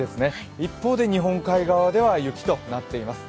一方で日本海側では雪となっています。